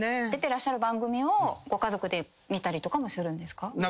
出てらっしゃる番組をご家族で見たりとかもするんですか？